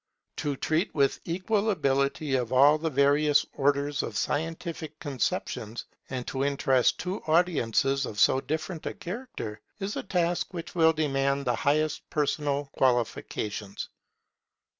To treat with equal ability of all the various orders of scientific conceptions, and to interest two audiences of so different a character, is a task which will demand the highest personal qualifications.